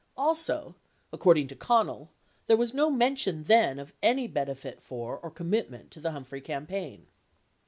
Also, according to Con nell, there was no mention then of any benefit for or commitment to the Humphrey campaign.